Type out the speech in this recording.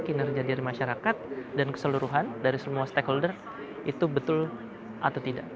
kinerja dari masyarakat dan keseluruhan dari semua stakeholder itu betul atau tidak